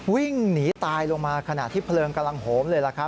วิ่งหนีตายลงมาขณะที่เพลิงกำลังโหมเลยล่ะครับ